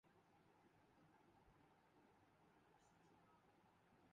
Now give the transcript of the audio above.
انہوں نے ہمیشہ ملکی مفاد کو ذاتی مفاد پر ترجیح دی۔